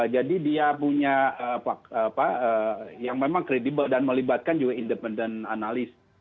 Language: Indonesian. jadi dia punya apa yang memang kredibel dan melibatkan juga independen analis